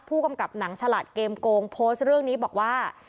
ผู้กำกับหนังฉลาดเกมโกงโพสต์เรื่องนี้บอกว่า